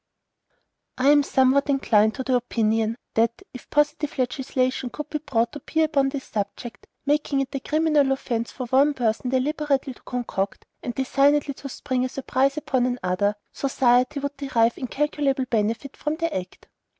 I am somewhat inclined to the opinion, that, if positive legislation could be brought to bear upon this subject, making it a criminal offence for one person deliberately to concoct and designedly to spring a surprise upon another, society would derive incalculable benefit from the act.